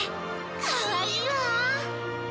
かわいいわ。